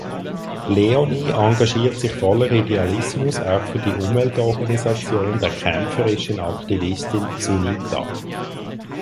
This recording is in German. Leonie engagiert sich voller Idealismus auch für die Umweltorganisation der kämpferischen Aktivistin Sunita.